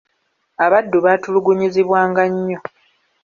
Abaddu baatulugunyizibwanga nnyo.